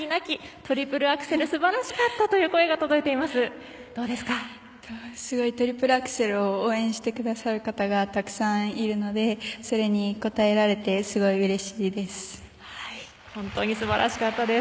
トリプルアクセルを応援してくださる方がたくさんいるのでそれに応えられて本当に素晴らしかったです。